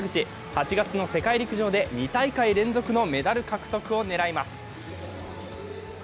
８月の世界陸上で２大会連続のメダル獲得を狙います。